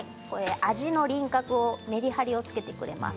味の輪郭をメリハリをつけてくれます。